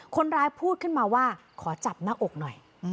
คนร้ายพูดขึ้นมาว่าขอจับหน้าอกหน่อย